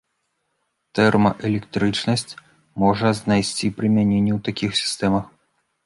Тэрмаэлектрычнасць можа знайсці прымяненне ў такіх сістэмах.